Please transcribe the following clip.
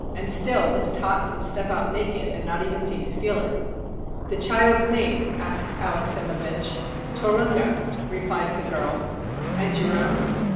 And still this tot can step out naked and not even seem to feel it. "The child's name ?" asks Alexsimevich. "Turunga," replies the girl. "And your own?"